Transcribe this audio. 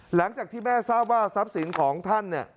หลังจากที่แม่ทราบว่าทรัพย์สินของท่านเนี่ย